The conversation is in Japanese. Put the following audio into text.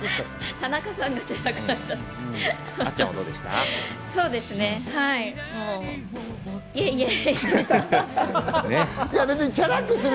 田中さんはチャラくなっちゃってる。